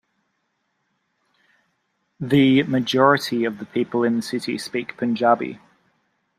The majority of the people in the city speak Punjabi.